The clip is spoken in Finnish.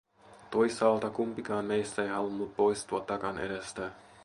Toisaalta kumpikaan meistä ei halunnut poistua takan edestä.